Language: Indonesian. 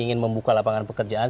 ingin membuka lapangan pekerjaan